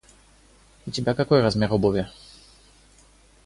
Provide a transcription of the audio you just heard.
У тебя какой размер обуви?